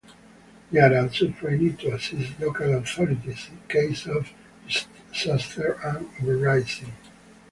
They are also trained to assist local authorities in case of disasters and uprisings.